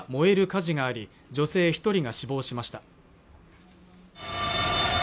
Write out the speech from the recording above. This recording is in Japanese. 火事があり女性一人が死亡しました